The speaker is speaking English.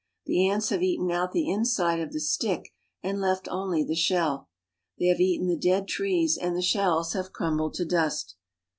The ants have eaten out the inside of the stick and left only the shell. They have eaten the dead trees and the shells have crumbled to dust.